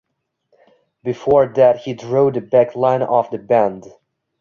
Before that he drove the backline of the band.